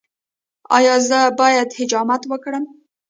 ایا زه باید حجامت وکړم؟